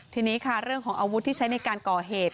ทีนี้ค่ะเรื่องของอาวุธที่ใช้ในการก่อเหตุ